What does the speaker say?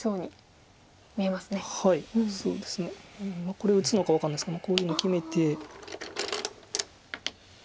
これ打つのか分かんないですけどこういうのを決めて。